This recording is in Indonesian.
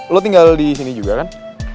lo tinggal disini juga kan